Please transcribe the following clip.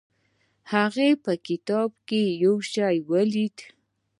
هغه په کتاب کې یو شی ولید.